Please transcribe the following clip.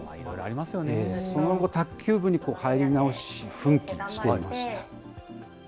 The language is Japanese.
その後、卓球部に入り直し、奮起していました。